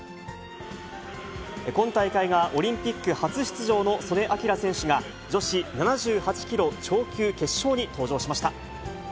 今大会がオリンピック初出場の素根輝選手が、女子７８キロ超級決勝に登場しました。